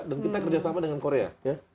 kita kerjasama dengan korea